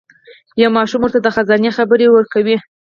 یو ماشوم ورته د خزانې خبر ورکوي.